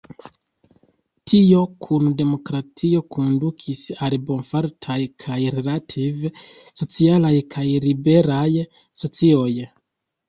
Tio, kun demokratio, kondukis al bonfartaj kaj relative socialaj kaj liberaj socioj.